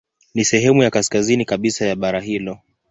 Ni sehemu ya kaskazini kabisa ya bara hilo.